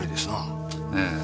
ええ。